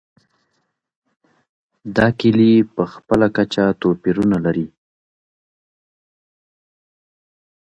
دا کلي په خپله کچه توپیرونه لري.